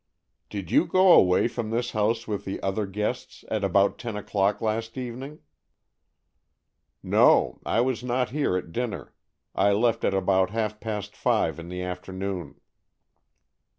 "Did you go away from this house with the other guests at about ten o'clock last evening?" "No, I was not here at dinner. I left at about half past five in the afternoon."